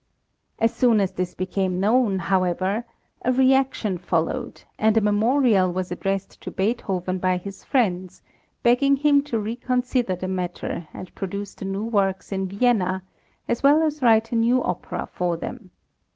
As soon as this became known however, a reaction followed, and a memorial was addressed to Beethoven by his friends, begging him to reconsider the matter, and produce the new works in Vienna, as well as write a new opera for them.